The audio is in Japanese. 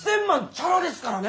チャラですからね！